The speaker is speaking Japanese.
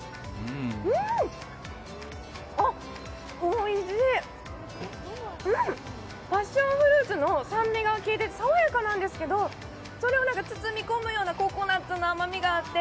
おいしい、パッションフルーツの酸味がきいてて、さわやかな味なんですけど、それを包み込むようなココナッツの甘みがあって。